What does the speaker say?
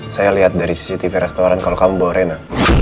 saya lihat dari cctv restoran kalau kamu bawa rena